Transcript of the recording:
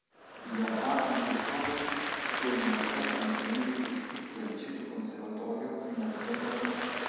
Gli Abbati Marescotti sono una casata modenese iscritti al ceto Conservatorio fin dal sec.